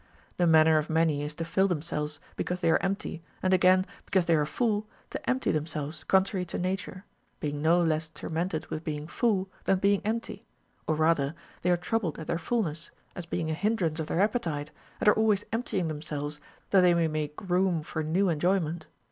The manner of many is to fill themselves be cause they are empty, and again, because they are full, to empty themselves contrary to nature, being no less tor mented with being full than being empty ; or rather, they are troubled at their fulness, as being a hindrance of their appetite, and are always emptying themselves, that they may make room for new enjoyment.